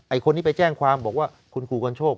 ไอ้คนนี้ไปแจ้งความบอกว่าคุณกู่กันโชค